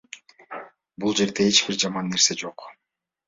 Бул жерде эч бир жаман нерсе жок.